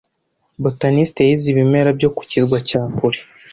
Botaniste yize ibimera byo ku kirwa cya kure.